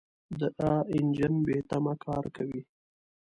دا انجن بېتمه کار کوي.